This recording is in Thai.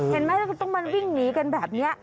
เห็นไหมต้องมันวิ่งหนีกันแบบนี้